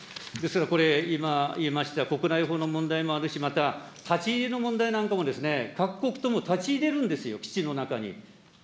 ですがこれ、今、言いました、国内法の問題もあるし、また立ち入りの問題なんかも、各国とも立ち入れるんですよ、基地の中に。